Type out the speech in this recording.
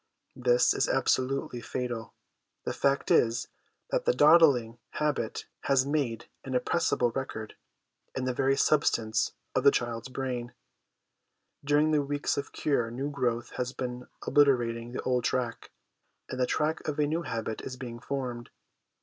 This is absolutely fatal. The fact is, that the dawdling habit has made an appreciable record in the very substance of the child's brain. During the weeks of cure new growth 'HABIT IS TEN NATURES' 121 has been obliterating the old track, and the track of a new habit is being formed.